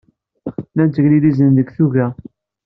Llan tteglilizen deg tuga.